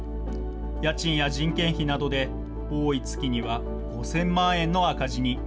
家賃や人件費などで多い月には５０００万円の赤字に。